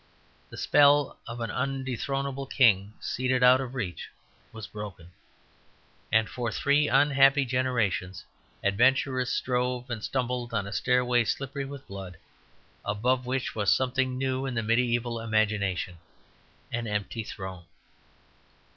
The spell of an undethronable thing seated out of reach was broken, and for three unhappy generations adventurers strove and stumbled on a stairway slippery with blood, above which was something new in the mediæval imagination; an empty throne.